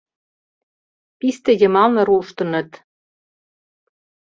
Писте йымалне руштыныт.